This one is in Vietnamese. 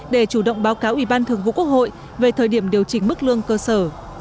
để chủ động báo cáo ủy ban thường vụ quốc hội về thời điểm điều chỉnh mức lương cơ sở